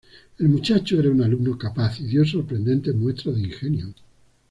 El muchacho era un alumno capaz y dio sorprendentes muestras de ingenio.